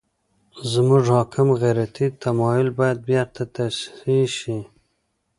زموږ حاکم غیرتي تمایل باید بېرته تصحیح شي.